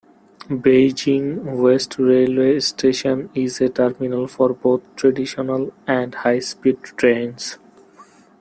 Beijing West Railway Station is a terminal for both "traditional" and high-speed trains.